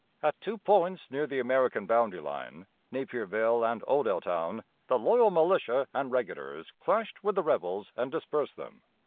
At two points near the American boundary line, Napierville and Odelltown, the loyal militia and regulars clashed with the rebels and dispersed them.